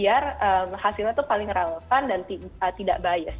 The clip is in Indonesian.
melakukan update pembaruan yang berkala biar hasilnya itu paling relevan dan tidak bias